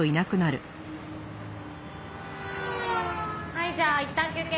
はいじゃあいったん休憩。